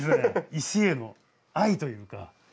石への愛というか。